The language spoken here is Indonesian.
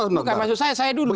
bukan maksud saya saya dulu